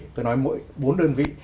tôi nói bốn đơn vị